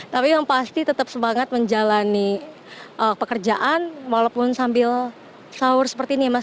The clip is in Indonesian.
tapi yang pasti tetap semangat menjalani pekerjaan walaupun sambil sahur seperti ini ya mas